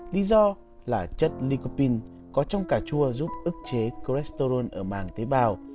lý do là chất lycopene có trong cà chua giúp ức chế cholesterol ở màng tế bào